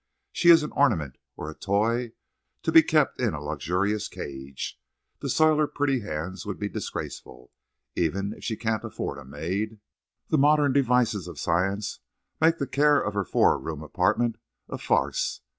She is an ornament, or a toy, to be kept in a luxurious cage. To soil her pretty hands would be disgraceful! Even if she can't afford a maid, the modern devices of science make the care of her four room apartment a farce.